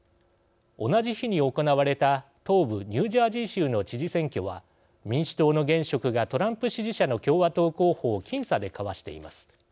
同じ日に行われた東部ニュージャージー州の知事選挙は民主党の現職がトランプ支持者の共和党候補を僅差でかわしています。